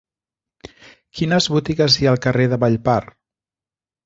Quines botigues hi ha al carrer de Vallpar?